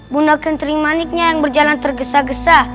bunda kentering maniknya yang berjalan tergesa gesa